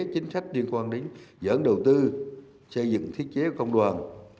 chính sách liên quan đến dẫn đầu tư xây dựng thiết chế công đoàn